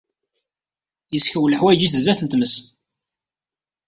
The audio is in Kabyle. Yesskew leḥwayeǧ-is sdat n tmes.